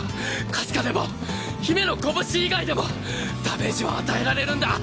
かすかでも姫の拳以外でもダメージは与えられるんだ。